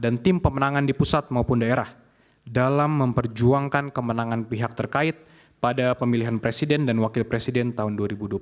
dan tim pemenangan di pusat maupun daerah dalam memperjuangkan kemenangan pihak terkait pada pemilihan presiden dan wakil presiden tahun dua ribu dua puluh empat